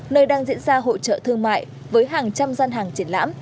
nơi đang diễn ra hội trợ thương mại với hàng trăm gian hàng triển lãm